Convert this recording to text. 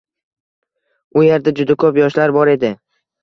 U yerda juda koʻp yoshlar bor edi.